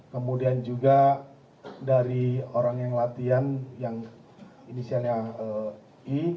kemudian juga dari orang yang latihan yang inisialnya i